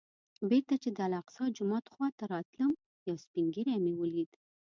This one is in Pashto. بېرته چې د الاقصی جومات خوا ته راتلم یو سپین ږیری مې ولید.